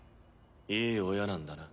いい親なんだな。